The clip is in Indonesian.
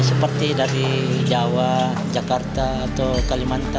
seperti dari jawa jakarta atau kalimantan